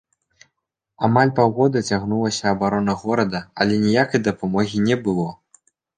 Амаль паўгода цягнулася абарона горада, але ніякай дапамогі не было.